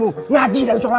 bapak mau ngajar anak sholat